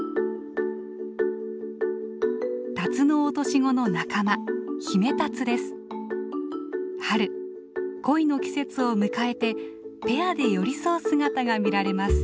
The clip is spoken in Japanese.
タツノオトシゴの仲間春恋の季節を迎えてペアで寄り添う姿が見られます。